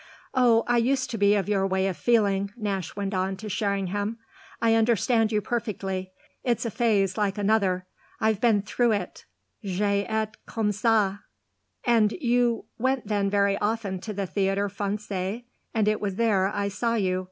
"Oh I used to be of your way of feeling," Nash went on to Sherringham. "I understand you perfectly. It's a phase like another. I've been through it j'ai été comme ça." "And you went then very often to the Théâtre Français, and it was there I saw you.